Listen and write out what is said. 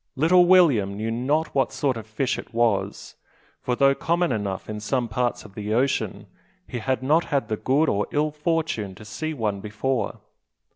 Little William knew not what sort of fish it was; for though common enough in some parts of the ocean, he had not had the good or ill fortune to see one before.